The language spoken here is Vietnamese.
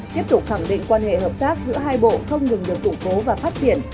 tiếp tục khẳng định quan hệ hợp tác giữa hai bộ không ngừng được củng cố và phát triển